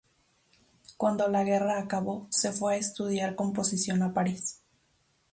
Cuando la guerra acabó, se fue a estudiar composición a París.